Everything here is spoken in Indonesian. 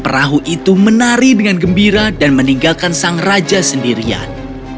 perahu itu menari dengan gembira dan meninggalkan sang raja sendirian